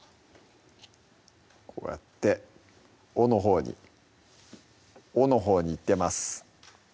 こうやって尾のほうに尾のほうに行ってます